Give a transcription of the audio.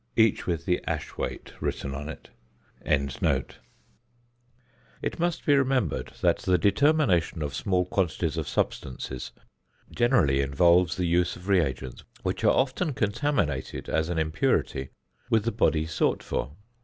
] It must be remembered that the determination of small quantities of substances generally involves the use of reagents which are often contaminated, as an impurity, with the body sought for.